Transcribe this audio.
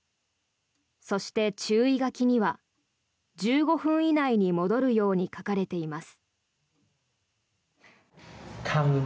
そして、注意書きには１５分以内に戻るように書かれています。